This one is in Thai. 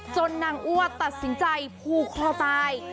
จนนางอั่วตัดสินใจพูครอบตาย